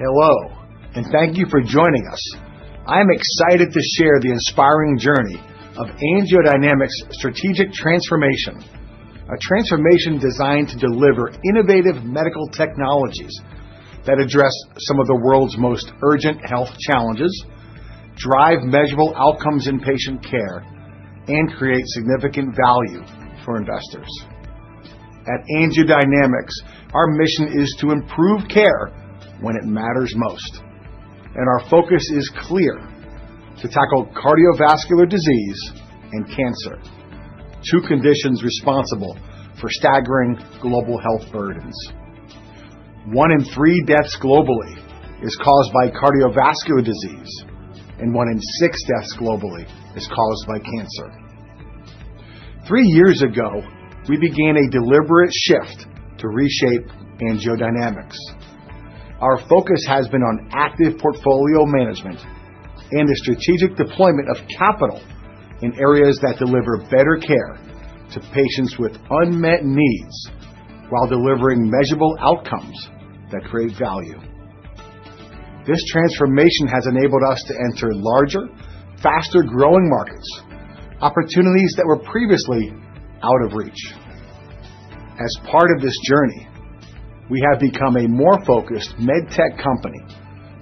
Hello, and thank you for joining us. I'm excited to share the inspiring journey of AngioDynamics' strategic transformation, a transformation designed to deliver innovative medical technologies that address some of the world's most urgent health challenges, drive measurable outcomes in patient care, and create significant value for investors. At AngioDynamics, our mission is to improve care when it matters most, and our focus is clear: to tackle cardiovascular disease and cancer, two conditions responsible for staggering global health burdens. One in three deaths globally is caused by cardiovascular disease, and one in six deaths globally is caused by cancer. Three years ago, we began a deliberate shift to reshape AngioDynamics. Our focus has been on active portfolio management and the strategic deployment of capital in areas that deliver better care to patients with unmet needs while delivering measurable outcomes that create value. This transformation has enabled us to enter larger, faster-growing markets, opportunities that were previously out of reach. As part of this journey, we have become a more focused MedTech company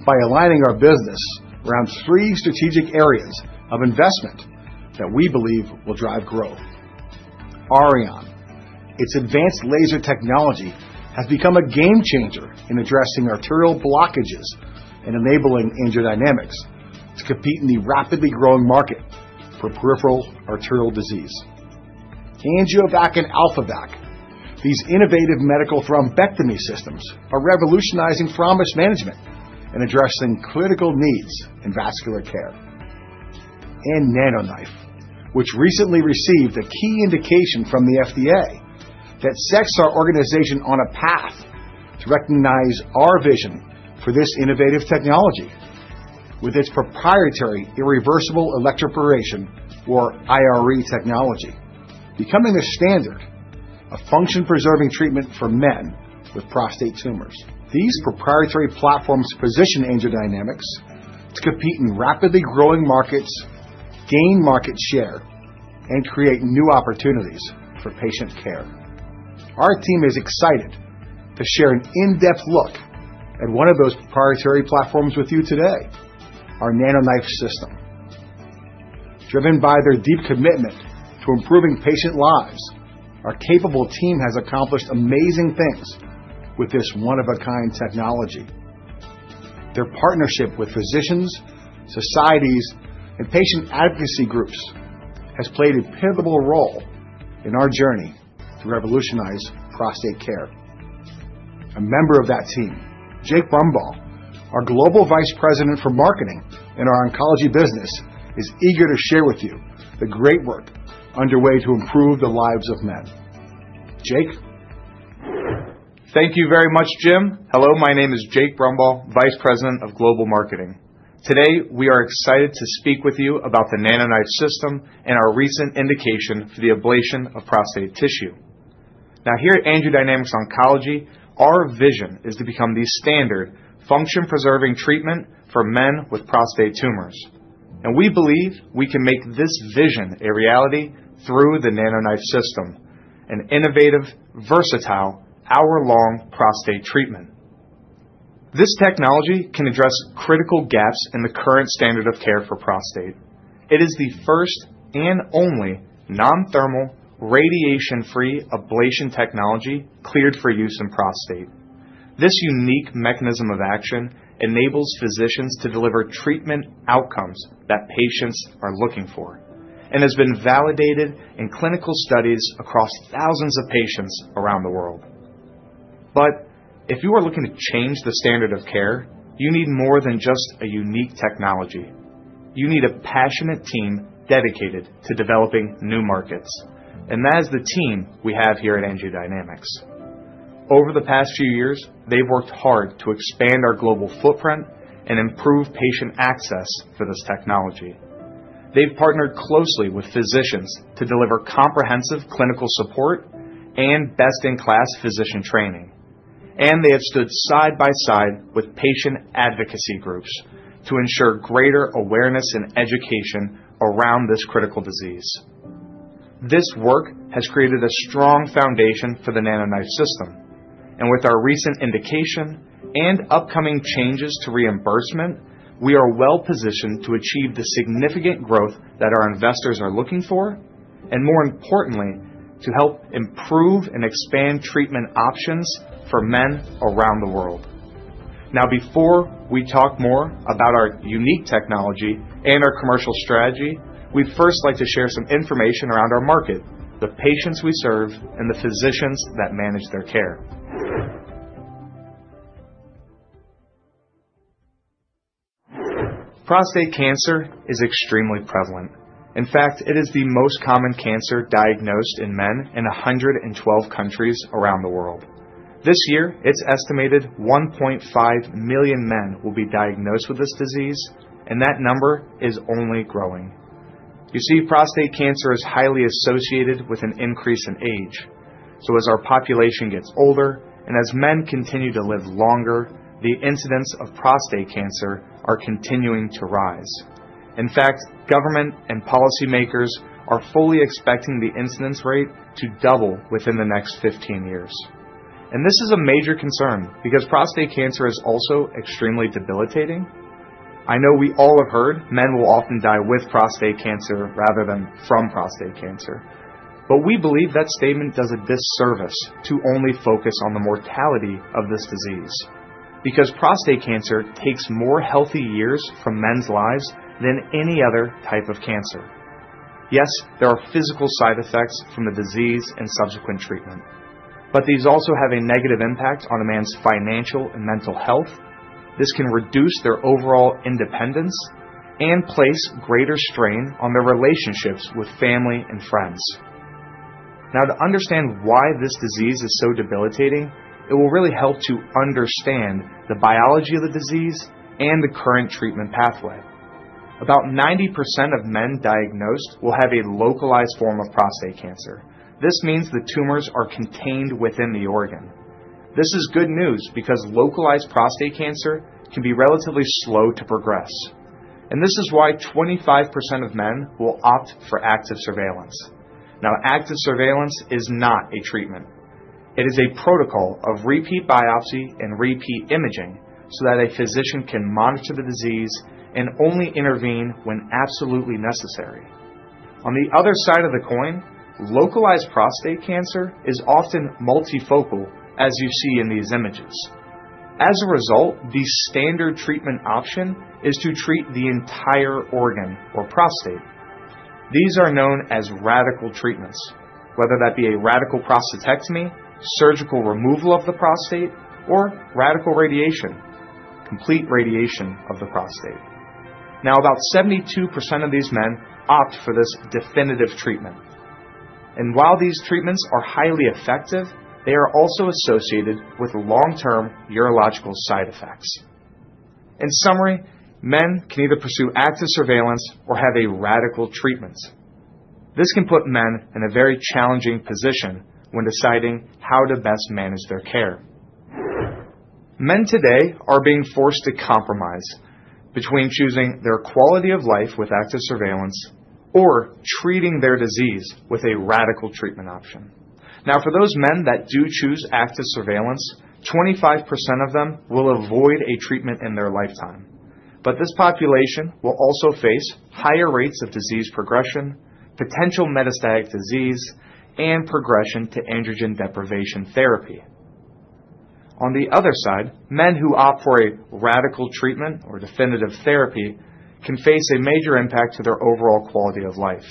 by aligning our business around three strategic areas of investment that we believe will drive growth. Auryon, its advanced laser technology, has become a game-changer in addressing arterial blockages and enabling AngioDynamics to compete in the rapidly growing market for Peripheral Arterial Disease. AngioVac and AlphaVac, these innovative medical thrombectomy systems, are revolutionizing thrombus management and addressing critical needs in vascular care. And NanoKnife, which recently received a key indication from the FDA that sets our organization on a path to recognize our vision for this innovative technology, with its proprietary Irreversible Electroporation, or IRE, technology becoming the standard of function-preserving treatment for men with prostate tumors. These proprietary platforms position AngioDynamics to compete in rapidly growing markets, gain market share, and create new opportunities for patient care. Our team is excited to share an in-depth look at one of those proprietary platforms with you today: our NanoKnife System. Driven by their deep commitment to improving patient lives, our capable team has accomplished amazing things with this one-of-a-kind technology. Their partnership with physicians, societies, and patient advocacy groups has played a pivotal role in our journey to revolutionize prostate care. A member of that team, Jake Brumbaugh, our Global Vice President for Marketing in our Oncology business, is eager to share with you the great work underway to improve the lives of men. Jake. Thank you very much, Jim. Hello, my name is Jake Brumbaugh, Vice President of Global Marketing. Today, we are excited to speak with you about the NanoKnife System and our recent indication for the ablation of prostate tissue. Now, here at AngioDynamics Oncology, our vision is to become the standard function-preserving treatment for men with prostate tumors, and we believe we can make this vision a reality through the NanoKnife System, an innovative, versatile, hour-long prostate treatment. This technology can address critical gaps in the current standard of care for prostate. It is the first and only non-thermal, radiation-free ablation technology cleared for use in prostate. This unique mechanism of action enables physicians to deliver treatment outcomes that patients are looking for and has been validated in clinical studies across thousands of patients around the world. But if you are looking to change the standard of care, you need more than just a unique technology. You need a passionate team dedicated to developing new markets, and that is the team we have here at AngioDynamics. Over the past few years, they've worked hard to expand our global footprint and improve patient access for this technology. They've partnered closely with physicians to deliver comprehensive clinical support and best-in-class physician training, and they have stood side by side with patient advocacy groups to ensure greater awareness and education around this critical disease. This work has created a strong foundation for the NanoKnife System, and with our recent indication and upcoming changes to reimbursement, we are well-positioned to achieve the significant growth that our investors are looking for, and more importantly, to help improve and expand treatment options for men around the world. Now, before we talk more about our unique technology and our commercial strategy, we'd first like to share some information around our market, the patients we serve, and the physicians that manage their care. Prostate cancer is extremely prevalent. In fact, it is the most common cancer diagnosed in men in 112 countries around the world. This year, it's estimated 1.5 million men will be diagnosed with this disease, and that number is only growing. You see, prostate cancer is highly associated with an increase in age, so as our population gets older and as men continue to live longer, the incidence of prostate cancer is continuing to rise. In fact, government and policymakers are fully expecting the incidence rate to double within the next 15 years, and this is a major concern because prostate cancer is also extremely debilitating. I know we all have heard men will often die with prostate cancer rather than from prostate cancer, but we believe that statement does a disservice to only focus on the mortality of this disease because prostate cancer takes more healthy years from men's lives than any other type of cancer. Yes, there are physical side effects from the disease and subsequent treatment, but these also have a negative impact on a man's financial and mental health. This can reduce their overall independence and place greater strain on their relationships with family and friends. Now, to understand why this disease is so debilitating, it will really help to understand the biology of the disease and the current treatment pathway. About 90% of men diagnosed will have a localized form of prostate cancer. This means the tumors are contained within the organ. This is good news because localized prostate cancer can be relatively slow to progress, and this is why 25% of men will opt for active surveillance. Now, active surveillance is not a treatment. It is a protocol of repeat biopsy and repeat imaging so that a physician can monitor the disease and only intervene when absolutely necessary. On the other side of the coin, localized prostate cancer is often multifocal, as you see in these images. As a result, the standard treatment option is to treat the entire organ or prostate. These are known as radical treatments, whether that be a radical prostatectomy, surgical removal of the prostate, or radical radiation, complete radiation of the prostate. Now, about 72% of these men opt for this definitive treatment, and while these treatments are highly effective, they are also associated with long-term urological side effects. In summary, men can either pursue active surveillance or have a radical treatment. This can put men in a very challenging position when deciding how to best manage their care. Men today are being forced to compromise between choosing their quality of life with active surveillance or treating their disease with a radical treatment option. Now, for those men that do choose active surveillance, 25% of them will avoid a treatment in their lifetime, but this population will also face higher rates of disease progression, potential metastatic disease, and progression to Androgen Deprivation Therapy. On the other side, men who opt for a Radical Treatment or Definitive Therapy can face a major impact to their overall quality of life.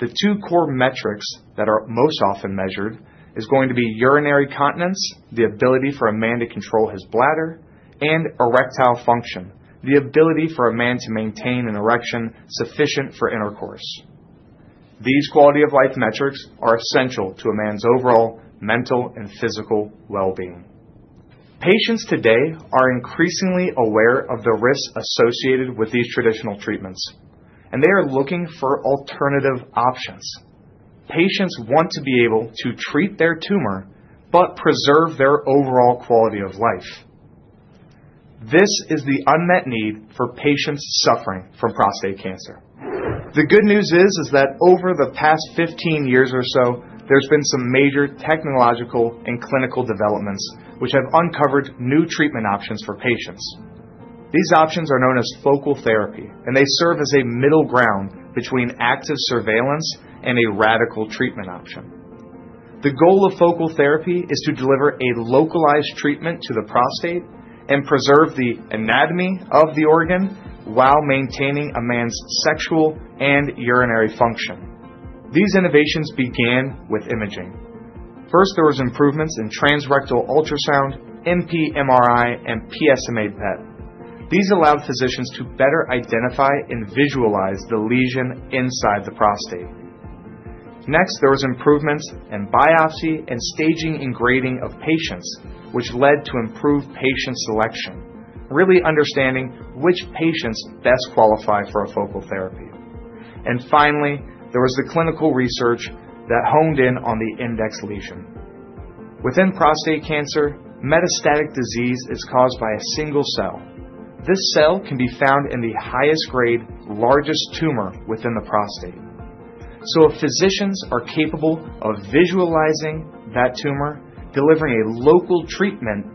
The two core metrics that are most often measured are going to be urinary continence the ability for a man to control his bladder, and erectile function, the ability for a man to maintain an erection sufficient for intercourse. These quality of life metrics are essential to a man's overall mental and physical well-being. Patients today are increasingly aware of the risks associated with these traditional treatments, and they are looking for alternative options. Patients want to be able to treat their tumor but preserve their overall quality of life. This is the unmet need for patients suffering from prostate cancer. The good news is that over the past 15 years or so, there's been some major technological and clinical developments which have uncovered new treatment options for patients. These options are known as Focal Therapy, and they serve as a middle ground between Active Surveillance and a Radical Treatment option. The goal of Focal Therapy is to deliver a localized treatment to the prostate and preserve the anatomy of the organ while maintaining a man's sexual and urinary function. These innovations began with imaging. First, there were improvements in transrectal ultrasound, mpMRI, and PSMA PET. These allowed physicians to better identify and visualize the lesion inside the prostate. Next, there were improvements in biopsy and staging and grading of patients, which led to improved patient selection, really understanding which patients best qualify for Focal Therapy. And finally, there was the clinical research that honed in on the index lesion. Within prostate cancer, metastatic disease is caused by a single cell. This cell can be found in the highest grade, largest tumor within the prostate. If physicians are capable of visualizing that tumor, delivering a local treatment,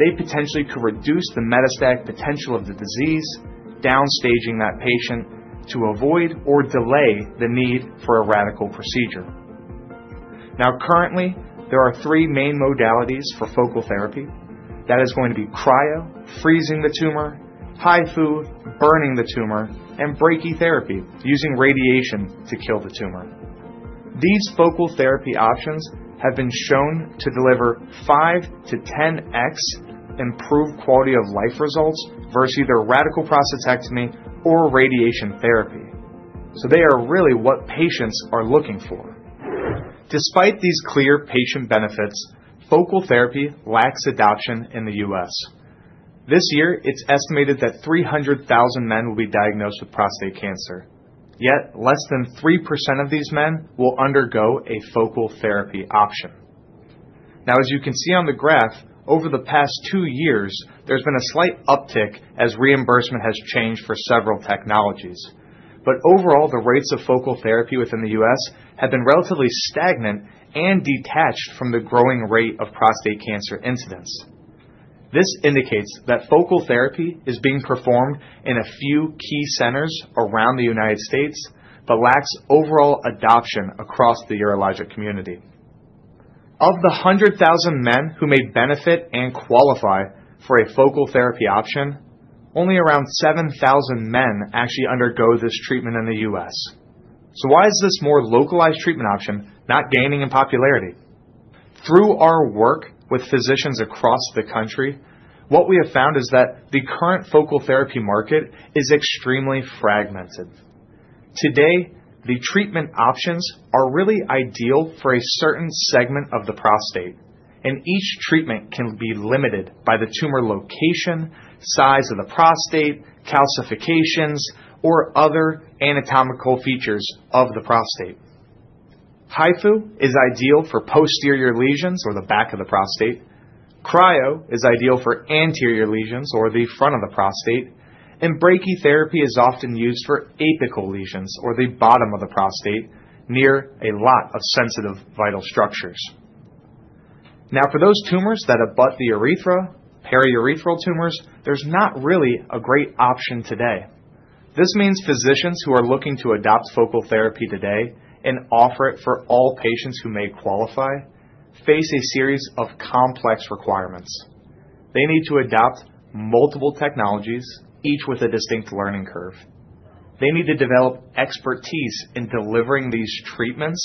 they potentially could reduce the metastatic potential of the disease, downstaging that patient to avoid or delay the need for a Radical Procedure. Now, currently, there are three main modalities for Focal Therapy. That is going to be cryo, freezing the tumor, HIFU, burning the tumor, and brachytherapy using radiation to kill the tumor. These Focal Therapy options have been shown to delive 5x-10x improved quality of life results versus either Radical Prostatectomy or Radiation Therapy. They are really what patients are looking for. Despite these clear patient benefits, Focal Therapy lacks adoption in the U.S. This year, it's estimated that 300,000 men will be diagnosed with prostate cancer. Yet, less than 3% of these men will undergo a Focal Therapy option. Now, as you can see on the graph, over the past two years, there's been a slight uptick as reimbursement has changed for several technologies, but overall, the rates of Focal Therapy within the U.S. have been relatively stagnant and detached from the growing rate of prostate cancer incidence. This indicates that Focal Therapy is being performed in a few key centers around the United States but lacks overall adoption across the urologic community. Of the 100,000 men who may benefit and qualify for a Focal Therapy option, only around 7,000 men actually undergo this treatment in the U.S. So why is this more localized treatment option not gaining in popularity? Through our work with physicians across the country, what we have found is that the current Focal Therapy market is extremely fragmented. Today, the treatment options are really ideal for a certain segment of the prostate, and each treatment can be limited by the tumor location, size of the prostate, calcifications, or other anatomical features of the prostate. HIFU is ideal for posterior lesions or the back of the prostate. Cryo is ideal for anterior lesions or the front of the prostate, and brachytherapy is often used for apical lesions or the bottom of the prostate near a lot of sensitive vital structures. Now, for those tumors that abut the urethra, periurethral tumors, there's not really a great option today. This means physicians who are looking to adopt Focal Therapy today and offer it for all patients who may qualify face a series of complex requirements. They need to adopt multiple technologies, each with a distinct learning curve. They need to develop expertise in delivering these treatments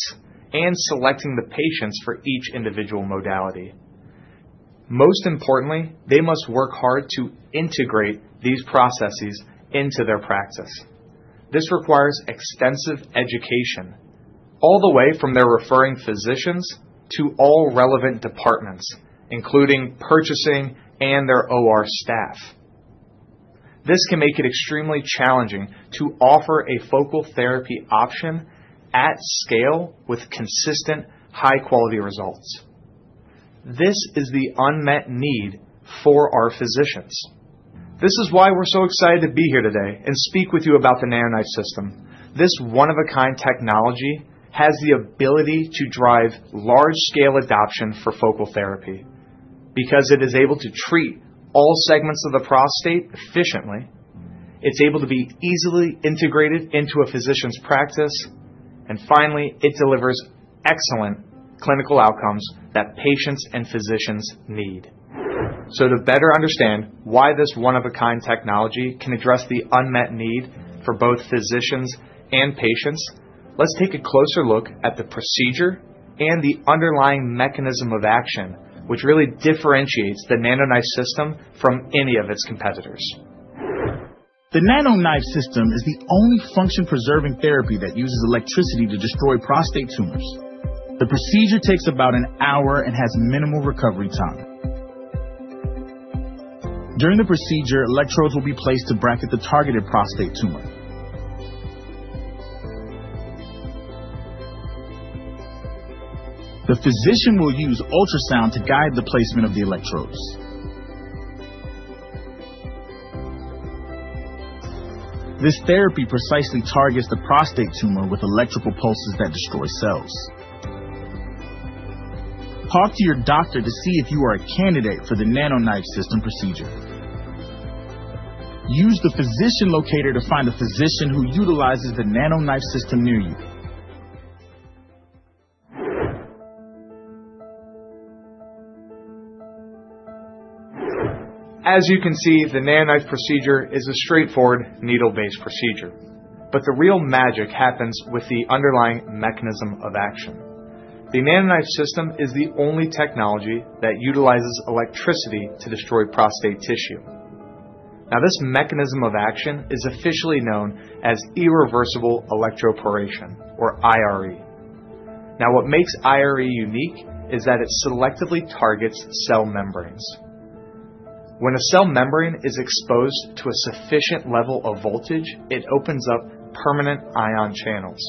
and selecting the patients for each individual modality. Most importantly, they must work hard to integrate these processes into their practice. This requires extensive education all the way from their referring physicians to all relevant departments, including purchasing and their OR staff. This can make it extremely challenging to offer a Focal Therapy option at scale with consistent high-quality results. This is the unmet need for our physicians. This is why we're so excited to be here today and speak with you about the NanoKnife System. This one-of-a-kind technology has the ability to drive large-scale adoption for Focal Therapy because it is able to treat all segments of the prostate efficiently. It's able to be easily integrated into a physician's practice, and finally, it delivers excellent clinical outcomes that patients and physicians need. To better understand why this one-of-a-kind technology can address the unmet need for both physicians and patients, let's take a closer look at the procedure and the underlying mechanism of action, which really differentiates the NanoKnife System from any of its competitors. The NanoKnife System is the only function-preserving therapy that uses electricity to destroy prostate tumors. The procedure takes about an hour and has minimal recovery time. During the procedure, electrodes will be placed to bracket the targeted prostate tumor. The physician will use ultrasound to guide the placement of the electrodes. This therapy precisely targets the prostate tumor with electrical pulses that destroy cells. Talk to your doctor to see if you are a candidate for the NanoKnife System procedure. Use the physician locator to find a physician who utilizes the NanoKnife System near you. As you can see, the NanoKnife procedure is a straightforward needle-based procedure, but the real magic happens with the underlying mechanism of action. The NanoKnife System is the only technology that utilizes electricity to destroy prostate tissue. Now, this mechanism of action is officially known as Irreversible Electroporation, or IRE. Now, what makes IRE unique is that it selectively targets cell membranes. When a cell membrane is exposed to a sufficient level of voltage, it opens up permanent ion channels.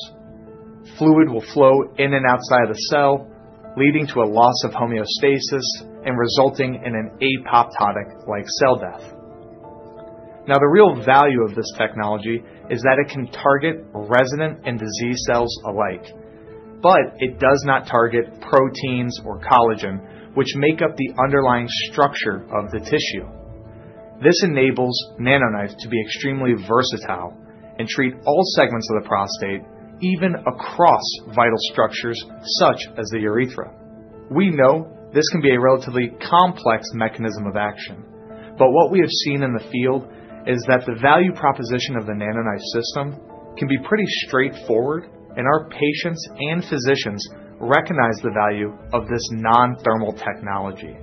Fluid will flow in and outside of the cell, leading to a loss of homeostasis and resulting in an apoptotic-like cell death. Now, the real value of this technology is that it can target resident and disease cells alike, but it does not target proteins or collagen, which make up the underlying structure of the tissue. This enables NanoKnife to be extremely versatile and treat all segments of the prostate, even across vital structures such as the urethra. We know this can be a relatively complex mechanism of action, but what we have seen in the field is that the value proposition of the NanoKnife System can be pretty straightforward, and our patients and physicians recognize the value of this non-thermal technology.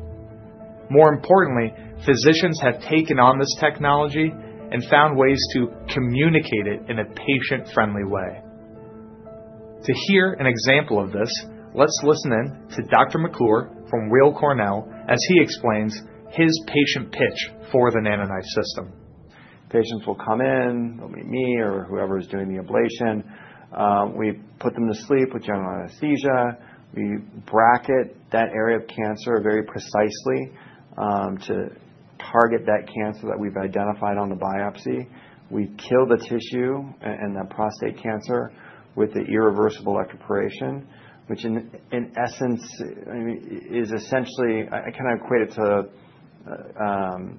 More importantly, physicians have taken on this technology and found ways to communicate it in a patient-friendly way. To hear an example of this, let's listen in to Dr. McClure from Weill Cornell as he explains his patient pitch for the NanoKnife System. Patients will come in, they'll meet me or whoever is doing the ablation. We put them to sleep with general anesthesia. We bracket that area of cancer very precisely to target that cancer that we've identified on the biopsy. We kill the tissue and the prostate cancer with the Irreversible Electroporation, which in essence is essentially I kind of equate it to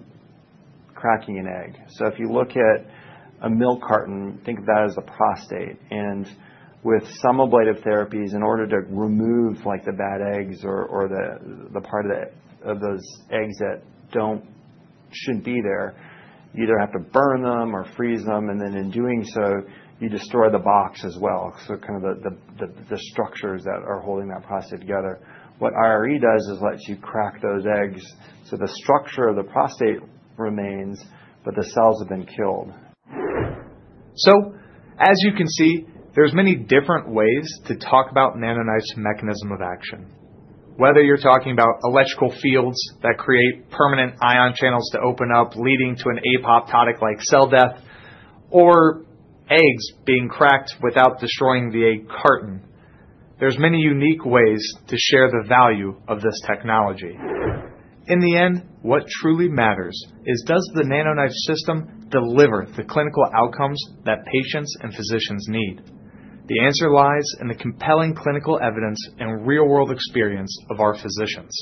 cracking an egg. So if you look at a milk carton, think of that as the prostate, and with some ablative therapies, in order to remove the bad eggs or the part of those eggs that shouldn't be there, you either have to burn them or freeze them, and then in doing so, you destroy the box as well. So kind of the structures that are holding that prostate together. What IRE does is lets you crack those eggs so the structure of the prostate remains, but the cells have been killed. As you can see, there's many different ways to talk about NanoKnife's mechanism of action, whether you're talking about electrical fields that create permanent ion channels to open up, leading to an apoptotic-like cell death, or eggs being cracked without destroying the egg carton. There's many unique ways to share the value of this technology. In the end, what truly matters is does the NanoKnife System deliver the clinical outcomes that patients and physicians need? The answer lies in the compelling clinical evidence and real-world experience of our physicians.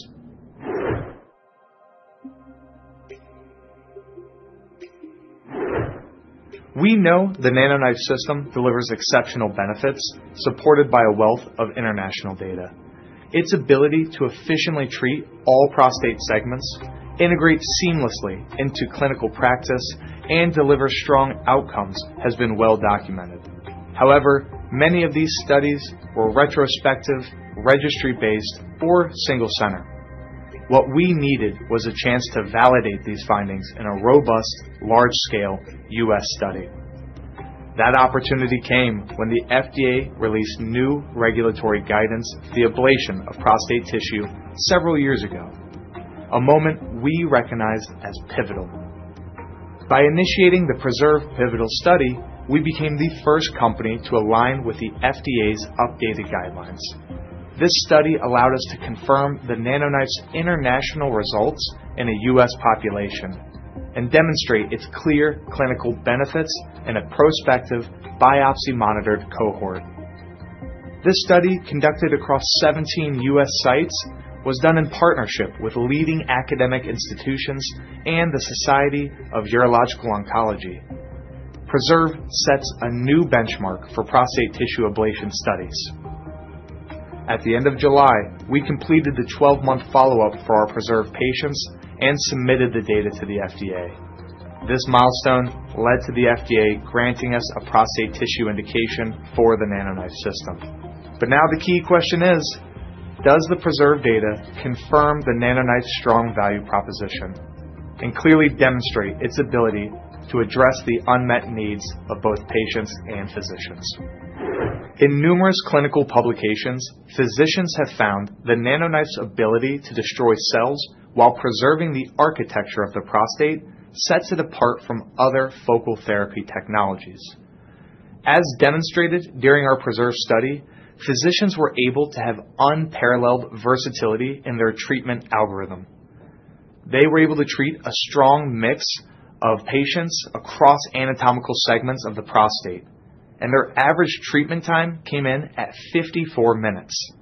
We know the NanoKnife System delivers exceptional benefits supported by a wealth of international data. Its ability to efficiently treat all prostate segments, integrate seamlessly into clinical practice, and deliver strong outcomes has been well documented. However, many of these studies were retrospective, registry-based, or single-centered. What we needed was a chance to validate these findings in a robust, large-scale U.S. study. That opportunity came when the FDA released new regulatory guidance for the ablation of prostate tissue several years ago, a moment we recognized as pivotal. By initiating the PRESERVE pivotal study, we became the first company to align with the FDA's updated guidelines. This study allowed us to confirm the NanoKnife's international results in a U.S. population and demonstrate its clear clinical benefits in a prospective biopsy-monitored cohort. This study, conducted across 17 U.S. sites, was done in partnership with leading academic institutions and the Society of Urological Oncology. PRESERVE sets a new benchmark for prostate tissue ablation studies. At the end of July, we completed the 12-month follow-up for our PRESERVE patients and submitted the data to the FDA. This milestone led to the FDA granting us a prostate tissue indication for the NanoKnife System. But now the key question is, does the PRESERVE data confirm the NanoKnife's strong value proposition and clearly demonstrate its ability to address the unmet needs of both patients and physicians? In numerous clinical publications, physicians have found the NanoKnife's ability to destroy cells while preserving the architecture of the prostate sets it apart from other Focal Therapy technologies. As demonstrated during our PRESERVE study, physicians were able to have unparalleled versatility in their treatment algorithm. They were able to treat a strong mix of patients across anatomical segments of the prostate, and their average treatment time came in at 54 minutes.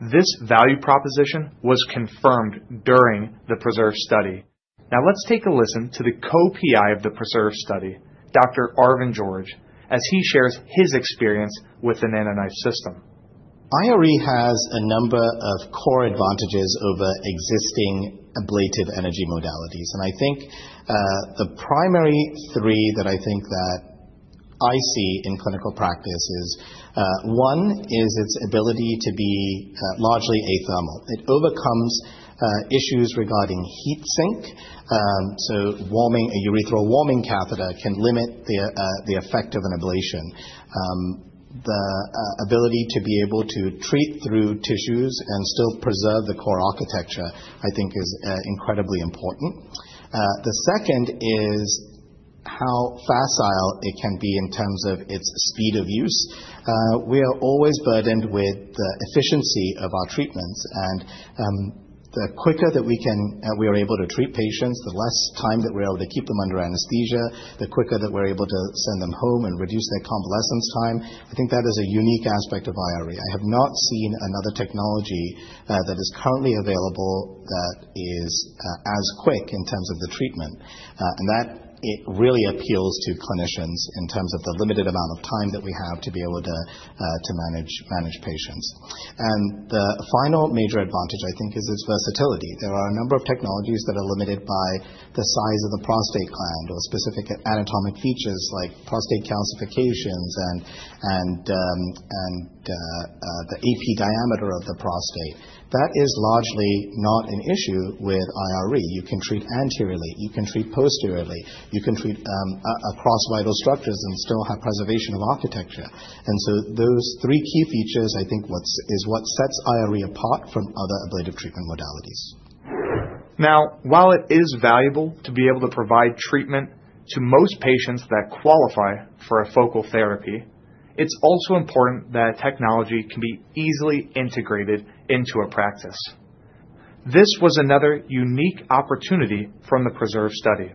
This value proposition was confirmed during the PRESERVE study. Now, let's take a listen to the co-PI of the PRESERVE study, Dr. Arvin George, as he shares his experience with the NanoKnife System. IRE has a number of core advantages over existing ablative energy modalities, and I think the primary three that I think I see in clinical practice is, one, its ability to be largely athermal. It overcomes issues regarding heat sink, so warming a urethral warming catheter can limit the effect of an ablation. The ability to be able to treat through tissues and still preserve the core architecture, I think, is incredibly important. The second is how facile it can be in terms of its speed of use. We are always burdened with the efficiency of our treatments, and the quicker that we are able to treat patients, the less time that we're able to keep them under anesthesia, the quicker that we're able to send them home and reduce their convalescence time. I think that is a unique aspect of IRE. I have not seen another technology that is currently available that is as quick in terms of the treatment, and that really appeals to clinicians in terms of the limited amount of time that we have to be able to manage patients. And the final major advantage, I think, is its versatility. There are a number of technologies that are limited by the size of the prostate gland or specific anatomic features like prostate calcifications and the AP diameter of the prostate. That is largely not an issue with IRE. You can treat anteriorly. You can treat posteriorly. You can treat across vital structures and still have preservation of architecture. And so those three key features, I think, is what sets IRE apart from other ablative treatment modalities. Now, while it is valuable to be able to provide treatment to most patients that qualify for a Focal Therapy, it's also important that technology can be easily integrated into a practice. This was another unique opportunity from the PRESERVE study.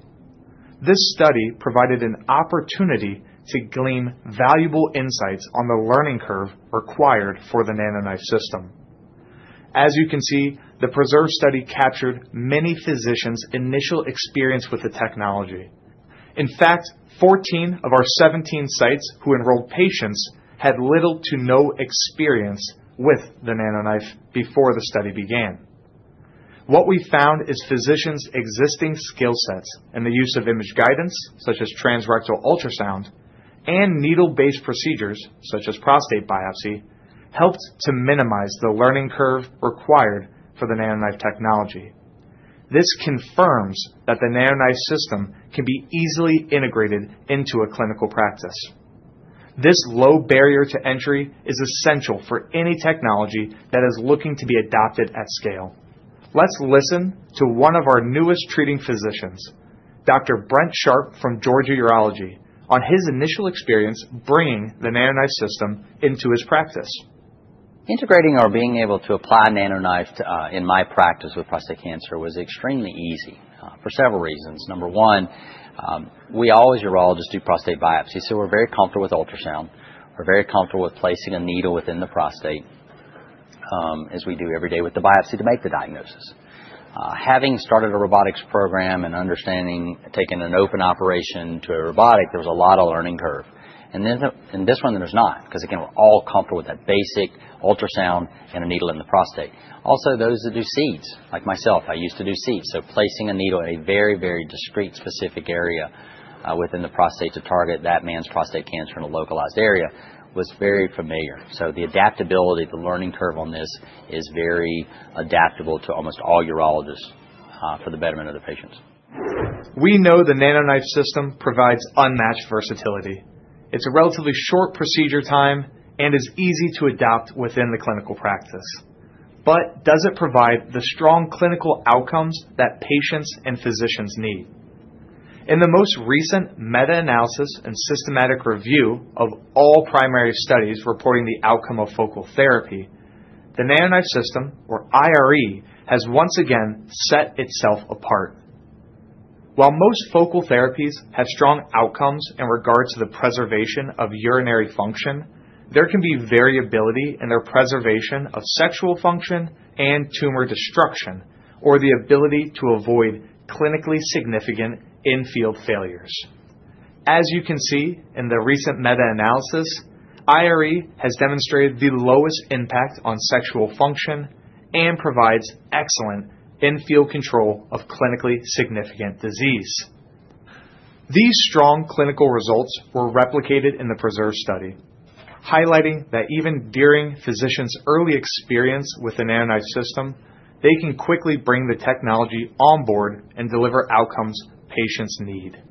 This study provided an opportunity to glean valuable insights on the learning curve required for the NanoKnife System. As you can see, the PRESERVE study captured many physicians' initial experience with the technology. In fact, 14 of our 17 sites who enrolled patients had little to no experience with the NanoKnife before the study began. What we found is physicians' existing skill sets and the use of image guidance, such as Transrectal Ultrasound, and needle-based procedures, such as prostate biopsy, helped to minimize the learning curve required for the NanoKnife technology. This confirms that the NanoKnife System can be easily integrated into a clinical practice. This low barrier to entry is essential for any technology that is looking to be adopted at scale. Let's listen to one of our newest treating physicians, Dr. Brent Sharpe from Georgia Urology, on his initial experience bringing the NanoKnife System into his practice. Integrating or being able to apply NanoKnife in my practice with prostate cancer was extremely easy for several reasons. Number one, we always, urologists, do prostate biopsy, so we're very comfortable with ultrasound. We're very comfortable with placing a needle within the prostate, as we do every day with the biopsy, to make the diagnosis. Having started a Robotics Program and understanding taking an open operation to a Robotic, there was a lot of learning curve, and in this one, there's not because, again, we're all comfortable with that basic ultrasound and a needle in the prostate. Also, those that do seeds, like myself, I used to do seeds, so placing a needle in a very, very discrete, specific area within the prostate to target that man's prostate cancer in a localized area was very familiar. So the adaptability, the learning curve on this is very adaptable to almost all urologists for the betterment of the patients. We know the NanoKnife System provides unmatched versatility. It's a relatively short procedure time and is easy to adopt within the clinical practice. But does it provide the strong clinical outcomes that patients and physicians need? In the most recent meta-analysis and systematic review of all primary studies reporting the outcome of Focal Therapy, the NanoKnife System, or IRE, has once again set itself apart. While most focal therapies have strong outcomes in regard to the preservation of urinary function, there can be variability in their preservation of sexual function and tumor destruction, or the ability to avoid clinically significant in-field failures. As you can see in the recent meta-analysis, IRE has demonstrated the lowest impact on sexual function and provides excellent in-field control of clinically significant disease. These strong clinical results were replicated in the PRESERVE study, highlighting that even during physicians' early experience with the NanoKnife System, they can quickly bring the technology on board and deliver outcomes patients need.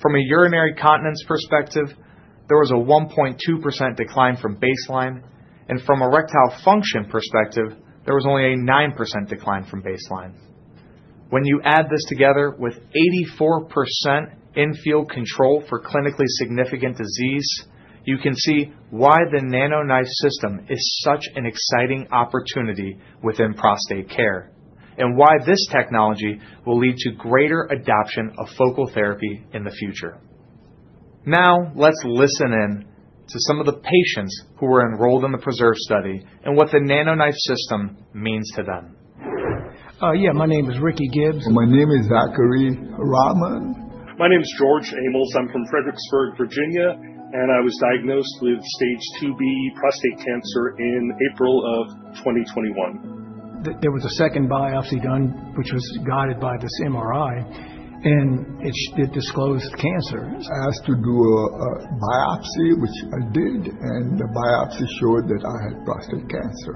From a urinary continence perspective, there was a 1.2% decline from baseline, and from an erectile function perspective, there was only a nine% decline from baseline. When you add this together with 84% in-field control for clinically significant disease, you can see why the NanoKnife System is such an exciting opportunity within prostate care and why this technology will lead to greater adoption of Focal Therapy in the future. Now, let's listen in to some of the patients who were enrolled in the PRESERVE study and what the NanoKnife System means to them. Yeah, my name is Ricky Gibbs. My name is Zachary Rahman. My name is George Amos. I'm from Fredericksburg, Virginia, and I was diagnosed with stage 2B prostate cancer in April of 2021. There was a second biopsy done, which was guided by this MRI, and it disclosed cancer. I asked to do a biopsy, which I did, and the biopsy showed that I had prostate cancer.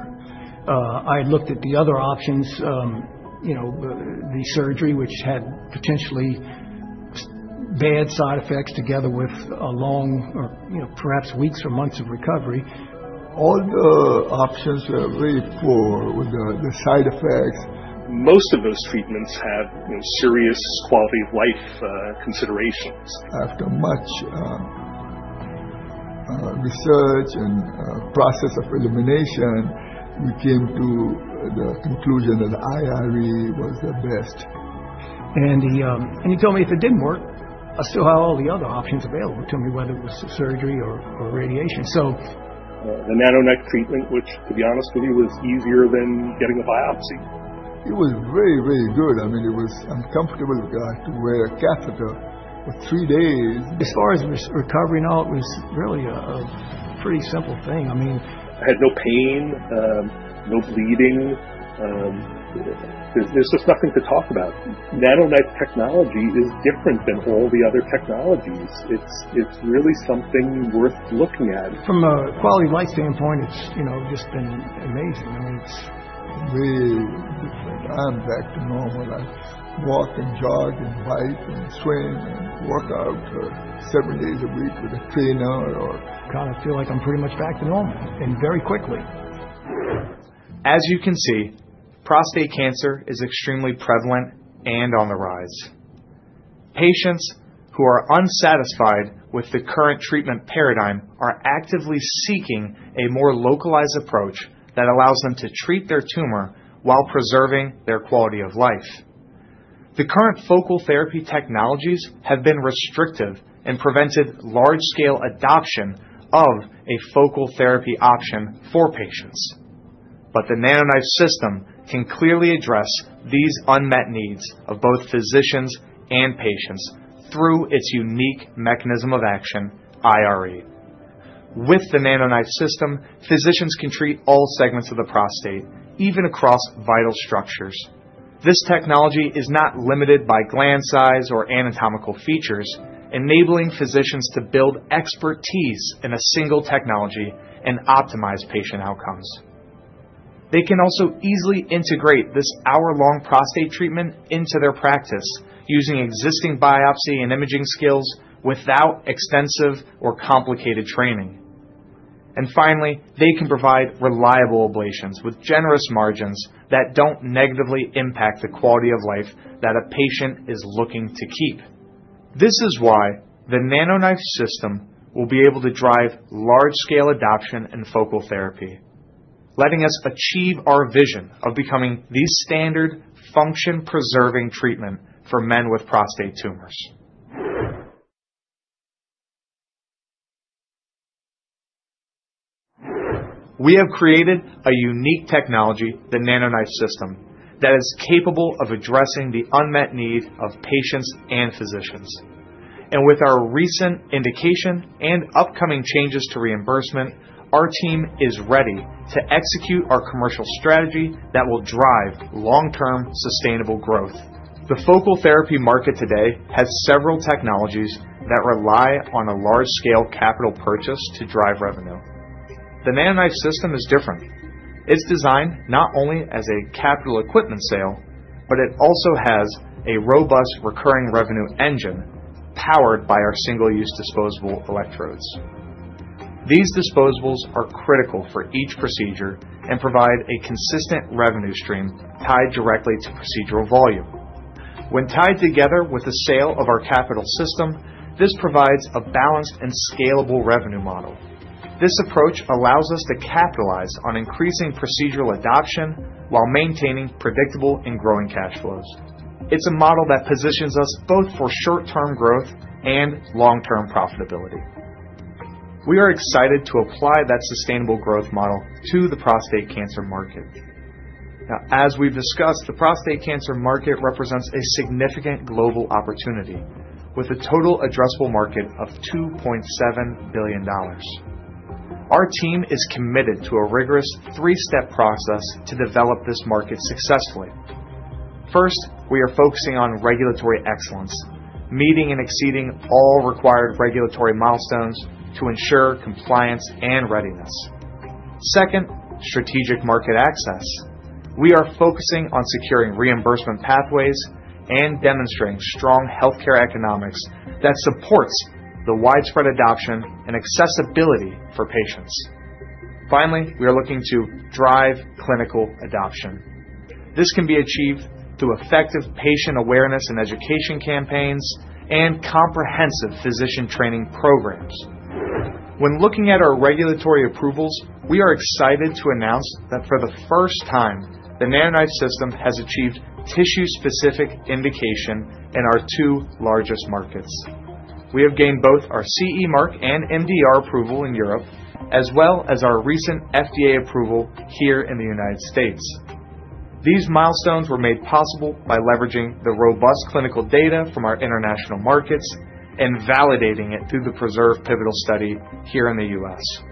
I looked at the other options, the surgery, which had potentially bad side effects together with a long, perhaps weeks or months of recovery. All the options were very poor with the side effects. Most of those treatments have serious quality of life considerations. After much research and process of elimination, we came to the conclusion that IRE was the best, and he told me if it didn't work, I still had all the other options available. He told me whether it was surgery or radiation, so the NanoKnife treatment, which, to be honest with you, was easier than getting a biopsy. It was very, very good. I mean, it was uncomfortable to have to wear a catheter for three days. As far as recovering out, it was really a pretty simple thing. I mean, I had no pain, no bleeding. There's just nothing to talk about. NanoKnife technology is different than all the other technologies. It's really something worth looking at. From a quality of life standpoint, it's just been amazing. I mean, it's really different. I'm back to normal. I walk and jog and bike and swim and work out seven days a week with a trainer or kind of feel like I'm pretty much back to normal and very quickly. As you can see, prostate cancer is extremely prevalent and on the rise. Patients who are unsatisfied with the current treatment paradigm are actively seeking a more localized approach that allows them to treat their tumor while preserving their quality of life. The current Focal Therapy technologies have been restrictive and prevented large-scale adoption of a Focal Therapy option for patients, but the NanoKnife System can clearly address these unmet needs of both physicians and patients through its unique mechanism of action, IRE. With the NanoKnife System, physicians can treat all segments of the prostate, even across vital structures. This technology is not limited by gland size or anatomical features, enabling physicians to build expertise in a single technology and optimize patient outcomes. They can also easily integrate this hour-long prostate treatment into their practice using existing biopsy and imaging skills without extensive or complicated training, and finally, they can provide reliable ablations with generous margins that don't negatively impact the quality of life that a patient is looking to keep. This is why the NanoKnife System will be able to drive large-scale adoption in Focal Therapy, letting us achieve our vision of becoming the standard function-preserving treatment for men with prostate tumors. We have created a unique technology, the NanoKnife System, that is capable of addressing the unmet need of patients and physicians. With our recent indication and upcoming changes to reimbursement, our team is ready to execute our commercial strategy that will drive long-term sustainable growth. The Focal Therapy market today has several technologies that rely on a large-scale capital purchase to drive revenue. The NanoKnife System is different. It's designed not only as a capital equipment sale, but it also has a robust recurring revenue engine powered by our single-use disposable electrodes. These disposables are critical for each procedure and provide a consistent revenue stream tied directly to procedural volume. When tied together with the sale of our capital system, this provides a balanced and scalable revenue model. This approach allows us to capitalize on increasing procedural adoption while maintaining predictable and growing cash flows. It's a model that positions us both for short-term growth and long-term profitability. We are excited to apply that sustainable growth model to the prostate cancer market. Now, as we've discussed, the prostate cancer market represents a significant global opportunity with a total addressable market of $2.7 billion. Our team is committed to a rigorous three-step process to develop this market successfully. First, we are focusing on regulatory excellence, meeting and exceeding all required regulatory milestones to ensure compliance and readiness. Second, Strategic Market Access. We are focusing on securing reimbursement pathways and demonstrating strong healthcare economics that supports the widespread adoption and accessibility for patients. Finally, we are looking to drive clinical adoption. This can be achieved through effective patient awareness and education campaigns and comprehensive physician training programs. When looking at our regulatory approvals, we are excited to announce that for the first time, the NanoKnife System has achieved tissue-specific indication in our two largest markets. We have gained both our CE mark and MDR approval in Europe, as well as our recent FDA approval here in the United States. These milestones were made possible by leveraging the robust clinical data from our international markets and validating it through the PRESERVE pivotal study here in the U.S.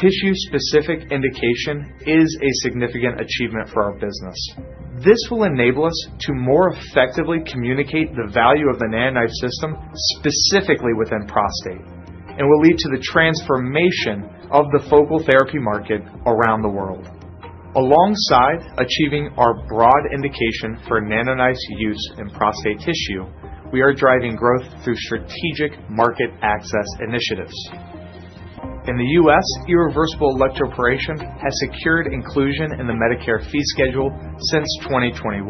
Tissue-specific indication is a significant achievement for our business. This will enable us to more effectively communicate the value of the NanoKnife System specifically within prostate and will lead to the transformation of the Focal Therapy market around the world. Alongside achieving our broad indication for NanoKnife's use in prostate tissue, we are driving growth through strategic market access initiatives. In the U.S., Irreversible Electroporation has secured inclusion in the Medicare fee schedule since 2021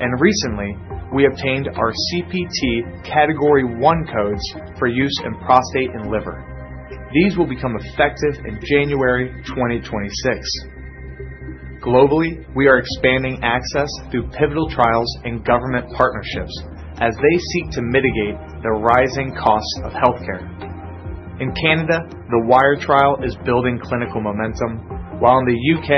and recently, we obtained our CPT Category I codes for use in prostate and liver. These will become effective in January 2026. Globally, we are expanding access through pivotal trials and government partnerships as they seek to mitigate the rising costs of healthcare. In Canada, the WIRE trial is building clinical momentum, while in the U.K.,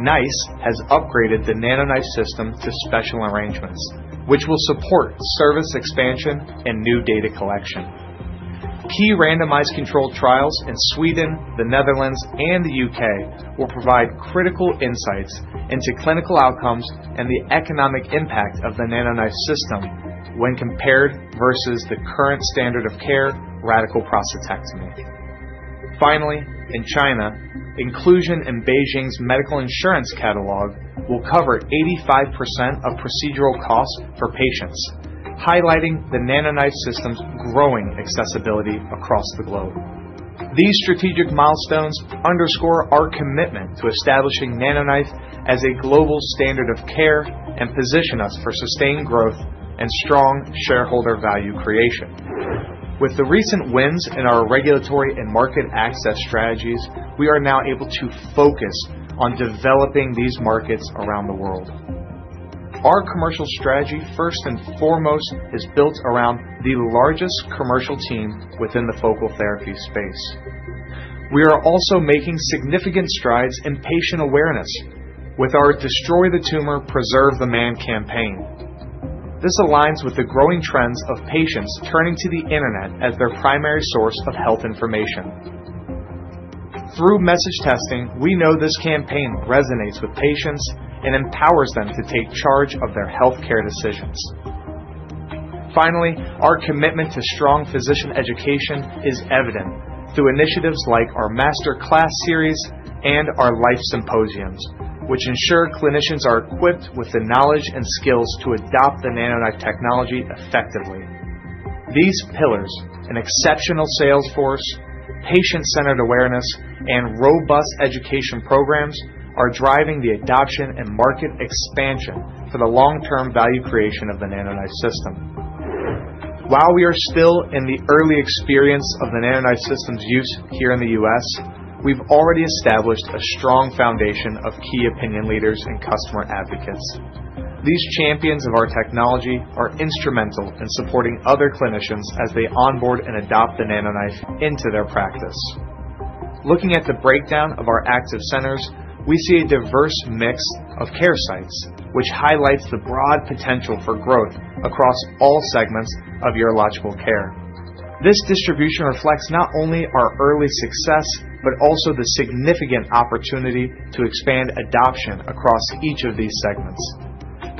NICE has upgraded the NanoKnife System to special arrangements, which will support service expansion and new data collection. Key randomized controlled trials in Sweden, the Netherlands, and the U.K. will provide critical insights into clinical outcomes and the economic impact of the NanoKnife System when compared versus the current standard of care radical prostatectomy. Finally, in China, inclusion in Beijing's medical insurance catalog will cover 85% of procedural costs for patients, highlighting the NanoKnife System's growing accessibility across the globe. These strategic milestones underscore our commitment to establishing NanoKnife as a global standard of care and position us for sustained growth and strong shareholder value creation. With the recent wins in our regulatory and market access strategies, we are now able to focus on developing these markets around the world. Our commercial strategy, first and foremost, is built around the largest commercial team within the Focal Therapy space. We are also making significant strides in patient awareness with our "Destroy the Tumor, Preserve the Man" campaign. This aligns with the growing trends of patients turning to the internet as their primary source of health information. Through message testing, we know this campaign resonates with patients and empowers them to take charge of their healthcare decisions. Finally, our commitment to strong physician education is evident through initiatives like our masterclass series and our life symposiums, which ensure clinicians are equipped with the knowledge and skills to adopt the NanoKnife technology effectively. These pillars, an exceptional sales force, patient-centered awareness, and robust education programs are driving the adoption and market expansion for the long-term value creation of the NanoKnife System. While we are still in the early experience of the NanoKnife System's use here in the U.S., we've already established a strong foundation of key opinion leaders and customer advocates. These champions of our technology are instrumental in supporting other clinicians as they onboard and adopt the NanoKnife into their practice. Looking at the breakdown of our active centers, we see a diverse mix of care sites, which highlights the broad potential for growth across all segments of urological care. This distribution reflects not only our early success, but also the significant opportunity to expand adoption across each of these segments.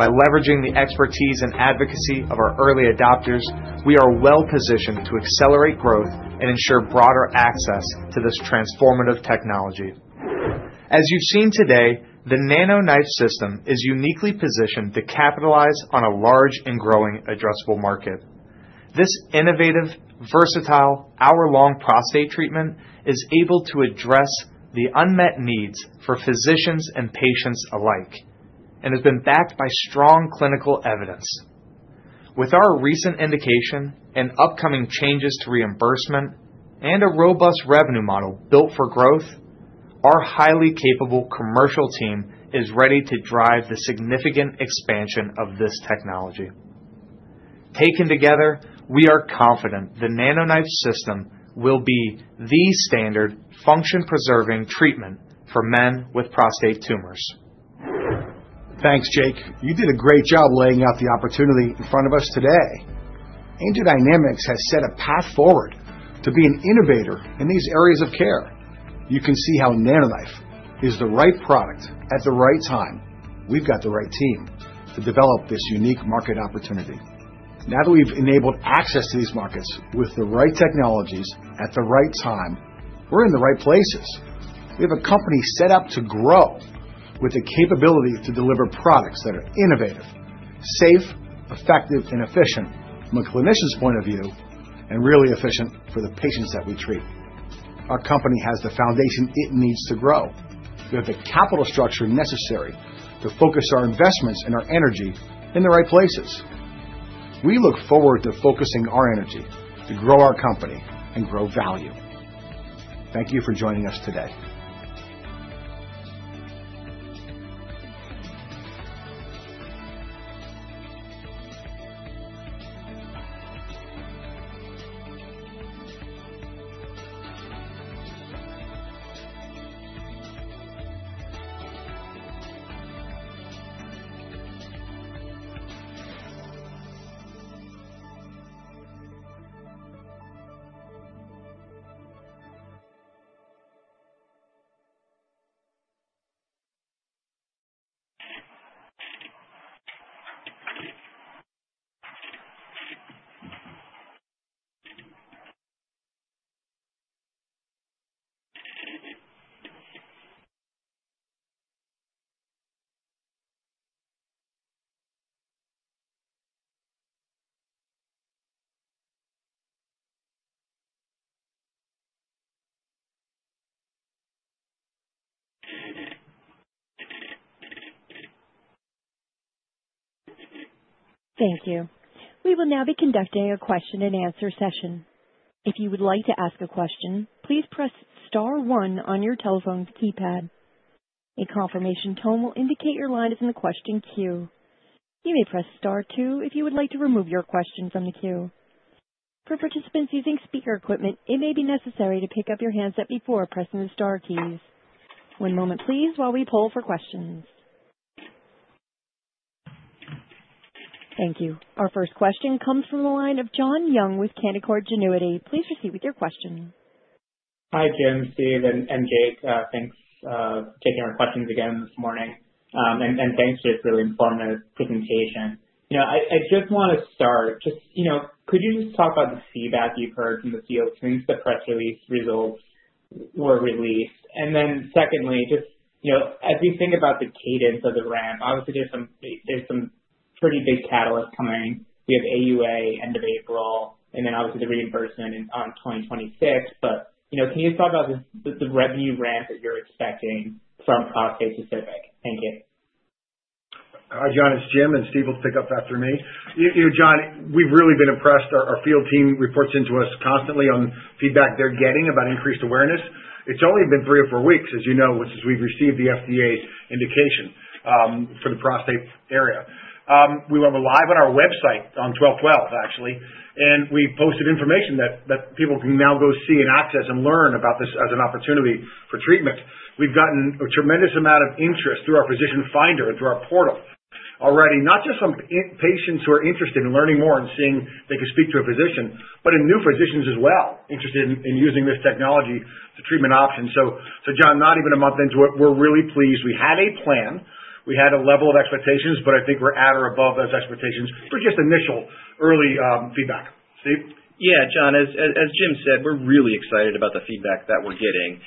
By leveraging the expertise and advocacy of our early adopters, we are well-positioned to accelerate growth and ensure broader access to this transformative technology. As you've seen today, the NanoKnife System is uniquely positioned to capitalize on a large and growing addressable market. This innovative, versatile, hour-long prostate treatment is able to address the unmet needs for physicians and patients alike and has been backed by strong clinical evidence. With our recent indication and upcoming changes to reimbursement and a robust revenue model built for growth, our highly capable commercial team is ready to drive the significant expansion of this technology. Taken together, we are confident the NanoKnife System will be the standard function-preserving treatment for men with prostate tumors. Thanks, Jake. You did a great job laying out the opportunity in front of us today. AngioDynamics has set a path forward to be an innovator in these areas of care. You can see how NanoKnife is the right product at the right time. We've got the right team to develop this unique market opportunity. Now that we've enabled access to these markets with the right technologies at the right time, we're in the right places. We have a company set up to grow with the capability to deliver products that are innovative, safe, effective, and efficient from a clinician's point of view and really efficient for the patients that we treat. Our company has the foundation it needs to grow. We have the capital structure necessary to focus our investments and our energy in the right places. We look forward to focusing our energy to grow our company and grow value. Thank you for joining us today. Thank you. We will now be conducting a question-and-answer session. If you would like to ask a question, please press star one on your telephone's keypad. A confirmation tone will indicate your line is in the question queue. You may press star two if you would like to remove your questions on the queue. For participants using speaker equipment, it may be necessary to pick up your handset before pressing the star keys. One moment, please, while we pull for questions. Thank you. Our first question comes from the line of Jon Young with Canaccord Genuity. Please proceed with your question. Hi, Jim. Steve and Jake, thanks for taking our questions again this morning. And thanks for this really informative presentation. I just want to start. Could you just talk about the feedback you've heard from the field since the press release results were released? And then secondly, just as we think about the cadence of the ramp, obviously, there's some pretty big catalysts coming. We have AUA end of April, and then obviously the reimbursement on 2026. But can you talk about the revenue ramp that you're expecting from prostate specific? Thank you. Hi, John. It's Jim. And Steve will pick up after me. John, we've really been impressed. Our field team reports in to us constantly on feedback they're getting about increased awareness. It's only been three or four weeks, as you know, since we've received the FDA's indication for the prostate area. We will have a live on our website on 12/12, actually. And we posted information that people can now go see and access and learn about this as an opportunity for treatment. We've gotten a tremendous amount of interest through our physician finder and through our portal already, not just from patients who are interested in learning more and seeing they can speak to a physician, but in new physicians as well interested in using this technology to treatment options. So, John, not even a month into it, we're really pleased. We had a plan. We had a level of expectations, but I think we're at or above those expectations for just initial early feedback. Steve? Yeah, John. As Jim said, we're really excited about the feedback that we're getting.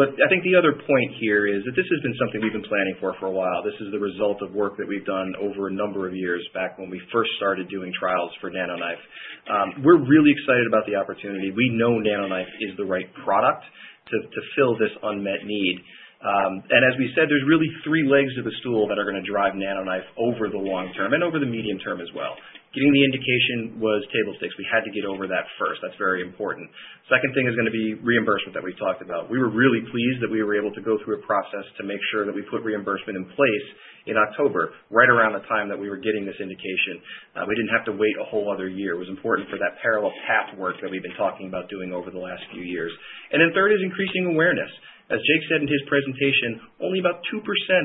But I think the other point here is that this has been something we've been planning for a while. This is the result of work that we've done over a number of years back when we first started doing trials for NanoKnife. We're really excited about the opportunity. We know NanoKnife is the right product to fill this unmet need. And as we said, there's really three legs of a stool that are going to drive NanoKnife over the long term and over the medium term as well. Getting the indication was table stakes. We had to get over that first. That's very important. Second thing is going to be reimbursement that we've talked about. We were really pleased that we were able to go through a process to make sure that we put reimbursement in place in October, right around the time that we were getting this indication. We didn't have to wait a whole other year. It was important for that parallel path work that we've been talking about doing over the last few years. And then third is increasing awareness. As Jake said in his presentation, only about 2%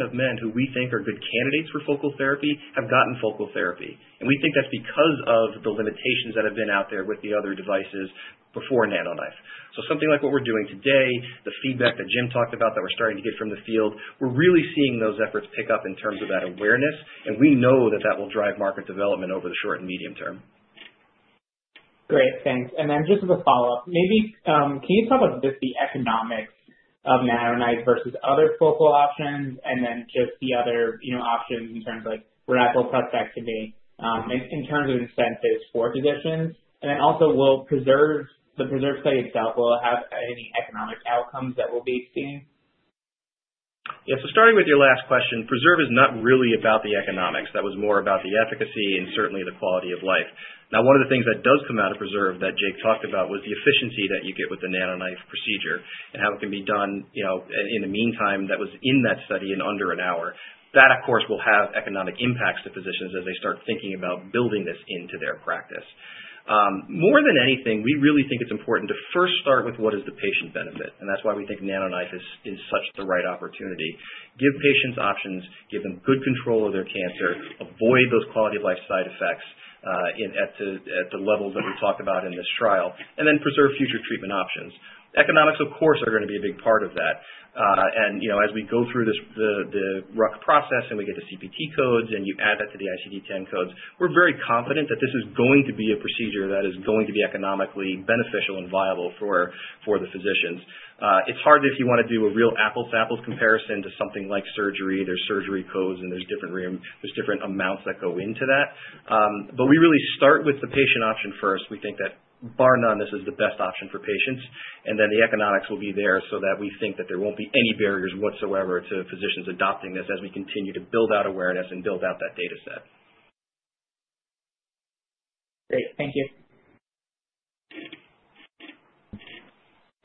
of men who we think are good candidates for Focal Therapy have gotten Focal Therapy. And we think that's because of the limitations that have been out there with the other devices before NanoKnife. So something like what we're doing today, the feedback that Jim talked about that we're starting to get from the field, we're really seeing those efforts pick up in terms of that awareness. And we know that that will drive market development over the short and medium-term. Great. Thanks. And then just as a follow-up, maybe can you talk about just the economics of NanoKnife versus other focal options and then just the other options in terms of radical prostatectomy in terms of incentives for physicians? And then also, will the PRESERVE study itself have any economic outcomes that we'll be seeing? Yeah. So starting with your last question, PRESERVE is not really about the economics. That was more about the efficacy and certainly the quality of life. Now, one of the things that does come out of PRESERVE that Jake talked about was the efficiency that you get with the NanoKnife procedure and how it can be done in the meantime that was in that study in under an hour. That, of course, will have economic impacts to physicians as they start thinking about building this into their practice. More than anything, we really think it's important to first start with what is the patient benefit. And that's why we think NanoKnife is such the right opportunity. Give patients options, give them good control of their cancer, avoid those quality of life side effects at the levels that we talked about in this trial, and then preserve future treatment options. Economics, of course, are going to be a big part of that. And as we go through the RUC process and we get the CPT codes and you add that to the ICD-10 codes, we're very confident that this is going to be a procedure that is going to be economically beneficial and viable for the physicians. It's hard if you want to do a real apples-to-apples comparison to something like surgery. There's surgery codes and there's different amounts that go into that. But we really start with the patient option first. We think that, bar none, this is the best option for patients. And then the economics will be there so that we think that there won't be any barriers whatsoever to physicians adopting this as we continue to build out awareness and build out that dataset. Great. Thank you.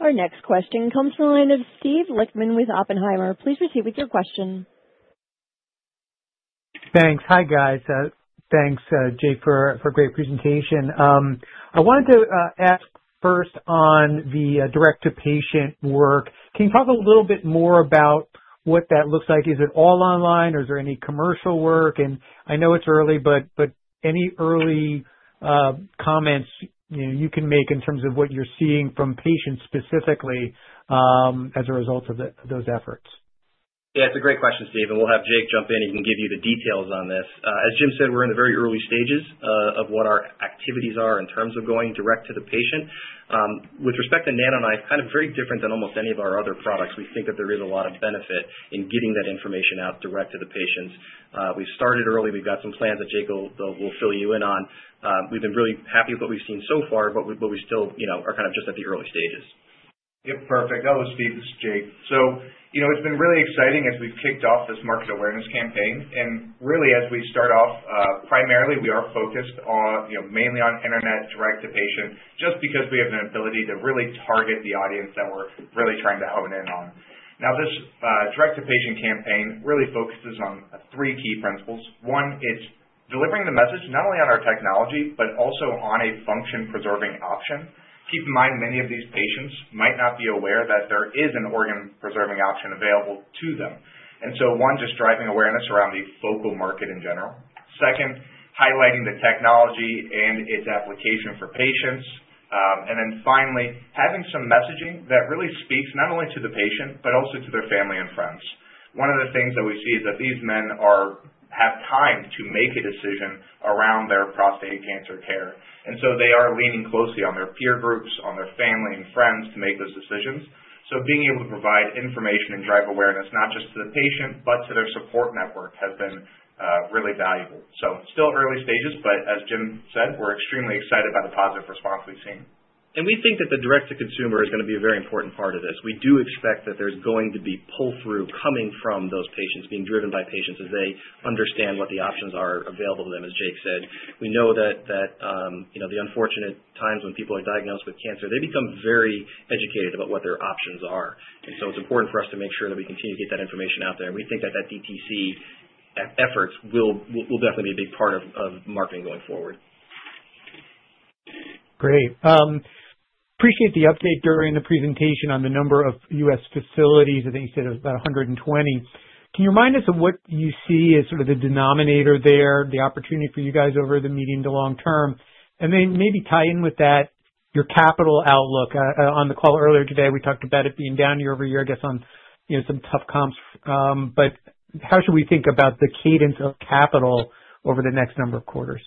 Our next question comes from the line of Steve Lichtman with Oppenheimer. Please proceed with your question. Thanks. Hi, guys. Thanks, Jake, for a great presentation. I wanted to ask first on the direct-to-patient work. Can you talk a little bit more about what that looks like? Is it all online or is there any commercial work? And I know it's early, but any early comments you can make in terms of what you're seeing from patients specifically as a result of those efforts? Yeah. It's a great question, Steve. And we'll have Jake jump in. He can give you the details on this. As Jim said, we're in the very early stages of what our activities are in terms of going direct to the patient. With respect to NanoKnife, kind of very different than almost any of our other products. We think that there is a lot of benefit in getting that information out direct to the patients. We've started early. We've got some plans that Jake will fill you in on. We've been really happy with what we've seen so far, but we still are kind of just at the early stages. Yep. Perfect. That was Steve. It's Jake. So it's been really exciting as we've kicked off this market awareness campaign. And really, as we start off, primarily, we are focused mainly on internet direct-to-patient just because we have an ability to really target the audience that we're really trying to hone in on. Now, this direct-to-patient campaign really focuses on three key principles. One, it's delivering the message not only on our technology, but also on a function-preserving option. Keep in mind, many of these patients might not be aware that there is an organ-preserving option available to them. And so one, just driving awareness around the focal market in general. Second, highlighting the technology and its application for patients. And then finally, having some messaging that really speaks not only to the patient, but also to their family and friends. One of the things that we see is that these men have time to make a decision around their prostate cancer care. And so they are leaning closely on their peer groups, on their family and friends to make those decisions. So being able to provide information and drive awareness not just to the patient, but to their support network has been really valuable. So still early stages, but as Jim said, we're extremely excited by the positive response we've seen. And we think that the direct-to-consumer is going to be a very important part of this. We do expect that there's going to be pull-through coming from those patients, being driven by patients as they understand what the options are available to them, as Jake said. We know that the unfortunate times when people are diagnosed with cancer, they become very educated about what their options are. And so it's important for us to make sure that we continue to get that information out there. And we think that that DTC efforts will definitely be a big part of marketing going forward. Great. Appreciate the update during the presentation on the number of U.S. facilities. I think you said it was about 120. Can you remind us of what you see as sort of the denominator there, the opportunity for you guys over the medium to long-term? And then, maybe tie in with that your capital outlook. On the call earlier today, we talked about it being down year-over-year, I guess, on some tough comps. But how should we think about the cadence of capital over the next number of quarters?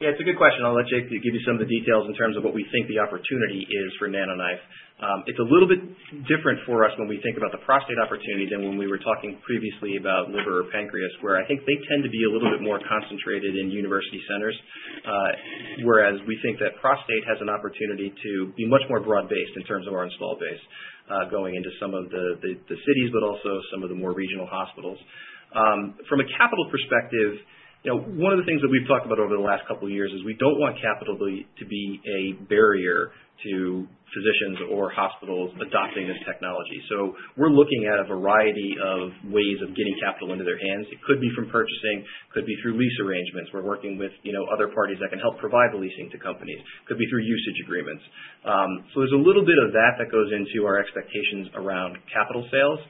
Yeah. It's a good question. I'll let Jake give you some of the details in terms of what we think the opportunity is for NanoKnife. It's a little bit different for us when we think about the prostate opportunity than when we were talking previously about liver or pancreas, where I think they tend to be a little bit more concentrated in university centers, whereas we think that prostate has an opportunity to be much more broad-based in terms of our installed base going into some of the cities, but also some of the more regional hospitals. From a capital perspective, one of the things that we've talked about over the last couple of years is we don't want capital to be a barrier to physicians or hospitals adopting this technology. So we're looking at a variety of ways of getting capital into their hands. It could be from purchasing, could be through lease arrangements. We're working with other parties that can help provide the leasing to companies. Could be through usage agreements. So there's a little bit of that that goes into our expectations around capital sales.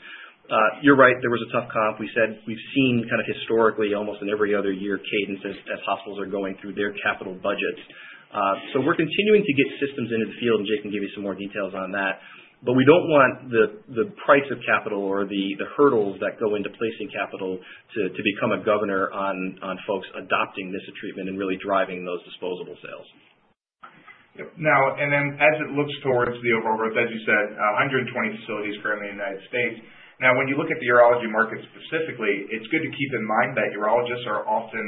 You're right. There was a tough comp. We said we've seen kind of historically almost in every other year cadence as hospitals are going through their capital budgets. So we're continuing to get systems into the field, and Jake can give you some more details on that. But we don't want the price of capital or the hurdles that go into placing capital to become a governor on folks adopting this treatment and really driving those disposable sales. Yep. Now, and then as it looks towards the overall growth, as you said, 120 facilities currently in the United States. Now, when you look at the urology market specifically, it's good to keep in mind that urologists are often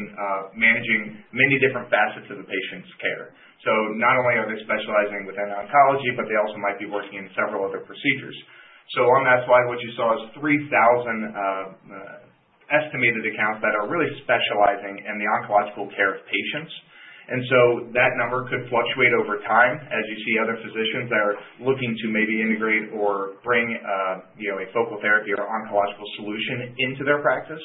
managing many different facets of the patient's care. So not only are they specializing within oncology, but they also might be working in several other procedures. So on that slide, what you saw is 3,000 estimated accounts that are really specializing in the oncological care of patients. And so that number could fluctuate over time as you see other physicians that are looking to maybe integrate or bring a Focal Therapy or oncological solution into their practice.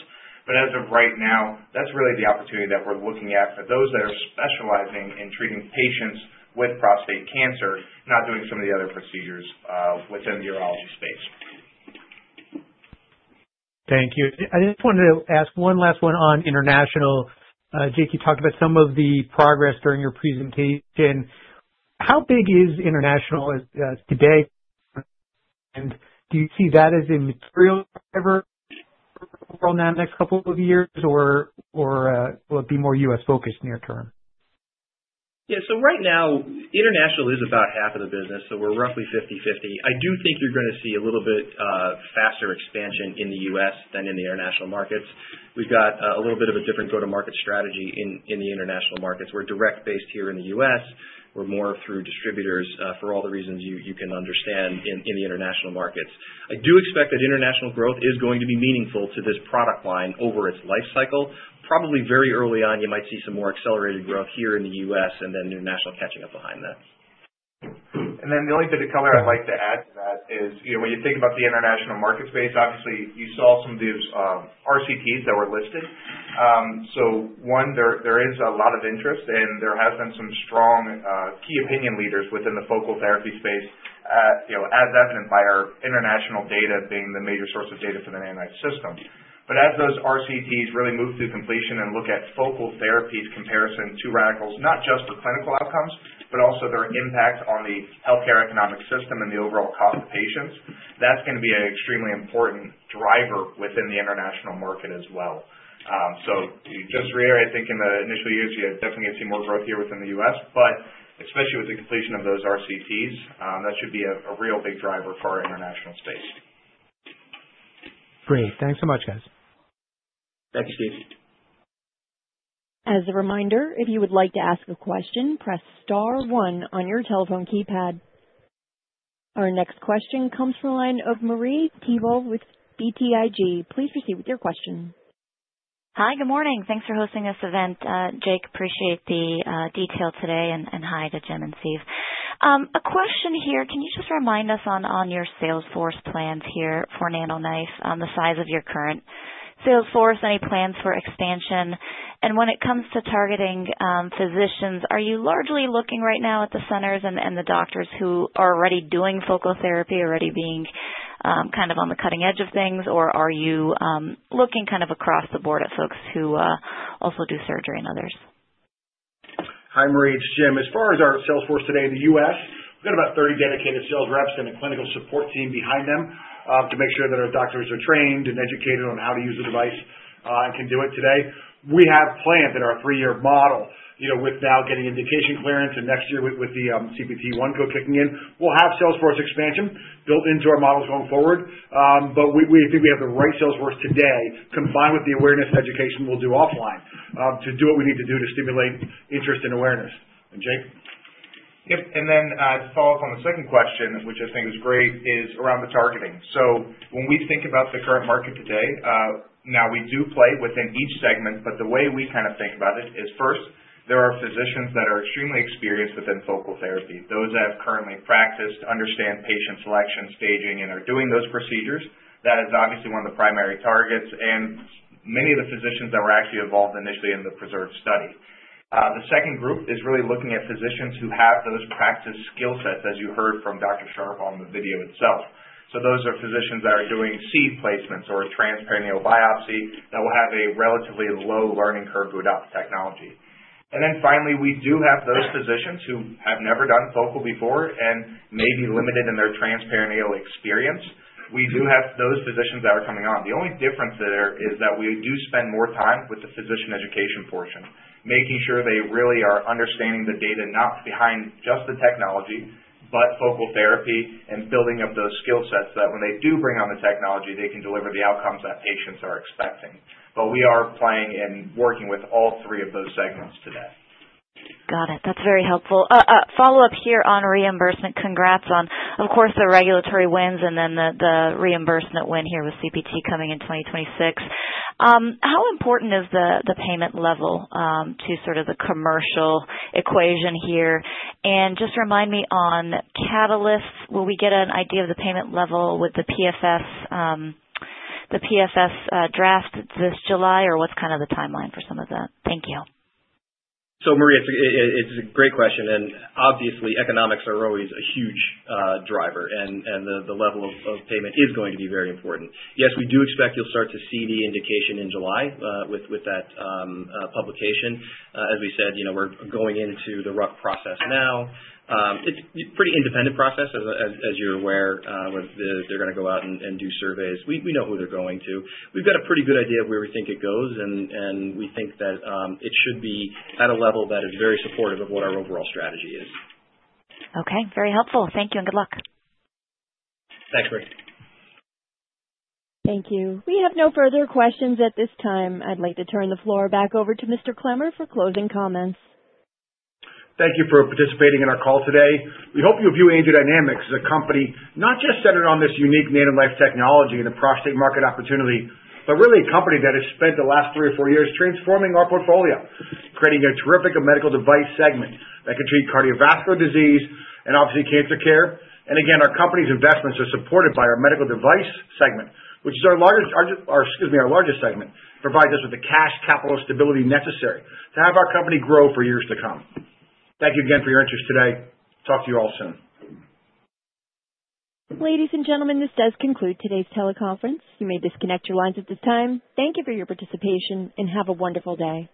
But as of right now, that's really the opportunity that we're looking at for those that are specializing in treating patients with prostate cancer, not doing some of the other procedures within the urology space. Thank you. I just wanted to ask one last one on international. Jake, you talked about some of the progress during your presentation. How big is international today? And do you see that as a material driver for the world in the next couple of years, or will it be more U.S.-focused near term? Yeah. So right now, international is about half of the business, so we're roughly 50/50. I do think you're going to see a little bit faster expansion in the U.S. than in the international markets. We've got a little bit of a different go-to-market strategy in the international markets. We're direct-based here in the U.S. We're more through distributors for all the reasons you can understand in the international markets. I do expect that international growth is going to be meaningful to this product line over its life cycle. Probably very early on, you might see some more accelerated growth here in the U.S. and then international catching up behind that. And then the only bit of color I'd like to add to that is when you think about the international market space, obviously, you saw some of these RCTs that were listed. So one, there is a lot of interest, and there have been some strong key opinion leaders within the Focal Therapy space as evident by our international data being the major source of data for the NanoKnife System. But as those RCTs really move to completion and look at focal therapies' comparison to radicals, not just for clinical outcomes, but also their impact on the healthcare economic system and the overall cost to patients, that's going to be an extremely important driver within the international market as well. So just reiterating, I think in the initial years, you definitely get to see more growth here within the U.S.. But especially with the completion of those RCTs, that should be a real big driver for our international space. Great. Thanks so much, guys. Thanks, Steve. As a reminder, if you would like to ask a question, press star one on your telephone keypad. Our next question comes from the line of Marie Thibault with BTIG. Please proceed with your question. Hi. Good morning. Thanks for hosting this event, Jake. Appreciate the detail today, and hi to Jim and Steve. A question here. Can you just remind us on your sales force plans here for NanoKnife, the size of your current sales force, any plans for expansion? And when it comes to targeting physicians, are you largely looking right now at the centers and the doctors who are already doing Focal Therapy, already being kind of on the cutting edge of things, or are you looking kind of across the board at folks who also do surgery and others? Hi, Marie. It's Jim. As far as our sales force today in the U.S., we've got about 30 dedicated sales reps and a clinical support team behind them to make sure that our doctors are trained and educated on how to use the device and can do it today. We have planned in our three-year model with now getting indication clearance, and next year with the CPT-1 code kicking in, we'll have sales force expansion built into our models going forward. But we think we have the right sales force today combined with the awareness education we'll do offline to do what we need to do to stimulate interest and awareness. And Jake? Yep. And then to follow up on the second question, which I think is great, is around the targeting. So when we think about the current market today, now we do play within each segment, but the way we kind of think about it is first, there are physicians that are extremely experienced within Focal Therapy, those that have currently practiced, understand patient selection, staging, and are doing those procedures. That is obviously one of the primary targets and many of the physicians that were actually involved initially in the PRESERVE study. The second group is really looking at physicians who have those practice skill sets, as you heard from Dr. Sharpe on the video itself. So those are physicians that are doing seed placements or transperineal biopsy that will have a relatively low learning curve to adopt the technology. And then finally, we do have those physicians who have never done focal before and may be limited in their transperineal experience. We do have those physicians that are coming on. The only difference there is that we do spend more time with the physician education portion, making sure they really are understanding the data not behind just the technology, but Focal Therapy and building up those skill sets that when they do bring on the technology, they can deliver the outcomes that patients are expecting. But we are playing and working with all three of those segments today. Got it. That's very helpful. Follow up here on reimbursement. Congrats on, of course, the regulatory wins and then the reimbursement win here with CPT coming in 2026. How important is the payment level to sort of the commercial equation here? And just remind me on catalysts. Will we get an idea of the payment level with the PFS draft this July, or what's kind of the timeline for some of that? Thank you. So Marie, it's a great question. And obviously, economics are always a huge driver, and the level of payment is going to be very important. Yes, we do expect you'll start to see the indication in July with that publication. As we said, we're going into the RUC process now. It's a pretty independent process, as you're aware, where they're going to go out and do surveys. We know who they're going to. We've got a pretty good idea of where we think it goes, and we think that it should be at a level that is very supportive of what our overall strategy is. Okay. Very helpful. Thank you and good luck. Thanks, Marie. Thank you. We have no further questions at this time. I'd like to turn the floor back over to Mr. Clemmer for closing comments. Thank you for participating in our call today. We hope you view AngioDynamics as a company not just centered on this unique NanoKnife technology and the prostate market opportunity, but really a company that has spent the last three or four years transforming our portfolio, creating a terrific Medical Device segment that can treat cardiovascular disease and obviously cancer care. And again, our company's investments are supported by our Medical Device segment, which is our largest segment, provides us with the cash capital stability necessary to have our company grow for years to come. Thank you again for your interest today. Talk to you all soon. Ladies and gentlemen, this does conclude today's teleconference. You may disconnect your lines at this time. Thank you for your participation, and have a wonderful day.